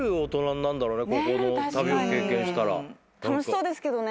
楽しそうですけどね。